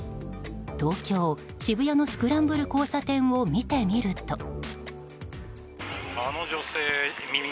東京・渋谷のスクランブル交差点を見てみると。